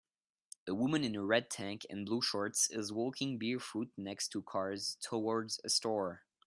A woman in a red tank and blue shorts is walking bear foot next to cars towards a store